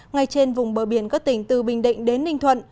ngay trên vùng bờ biển các tỉnh từ bình định đến ninh thuận